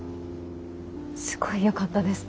すごいよかったです。